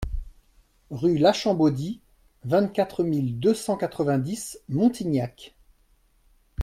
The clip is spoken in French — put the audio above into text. Rue Lachambeaudie, vingt-quatre mille deux cent quatre-vingt-dix Montignac